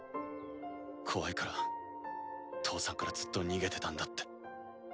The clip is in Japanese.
怖いから父さんからずっと逃げてたんだって。